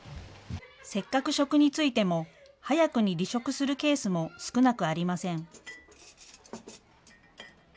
せっかく職に就いても早くに離職するケースも少なくありません。